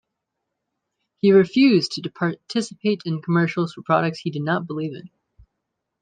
He refused to participate in commercials for products he did not believe in.